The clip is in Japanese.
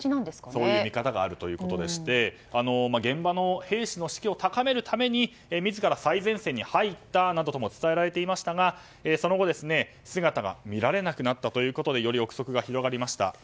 そういう見方があるということでして現場の兵士の士気を高めるために自ら最前線に入ったなどとも伝えられていましたがその後、姿が見られなくなったということでより憶測が広がりました。